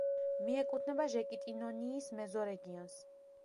მიეკუთვნება ჟეკიტინონიის მეზორეგიონს.